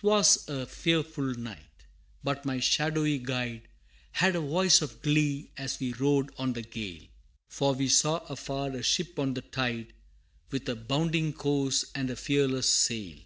'Twas a fearful night, but my shadowy guide Had a voice of glee as we rode on the gale, For we saw afar a ship on the tide, With a bounding course and a fearless sail.